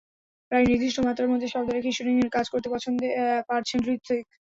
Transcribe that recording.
প্রায় নির্দিষ্ট মাত্রার মধ্যে শব্দ রেখেই শুটিংয়ের কাজ করতে পারছেন হৃতিক।